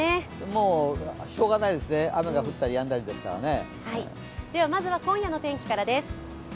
もうしょうがないですよね、雨が降ったりやんだりですからね。